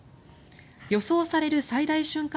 予想される最大瞬間